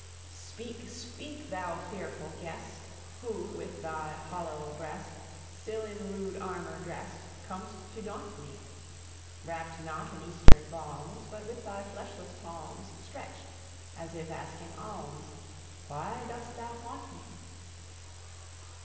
"Speak! speak! thou fearful guest! Who, with thy hollow breast Still in rude armour drest, Comest to daunt me! Wrapt not in Eastern balms, But with thy fleshless palms Stretched, as if asking alms, Why dost thou haunt me?"